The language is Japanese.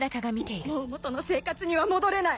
もう元の生活には戻れない！